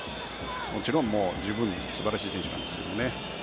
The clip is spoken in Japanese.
もちろん十分素晴らしい選手なんですけどね。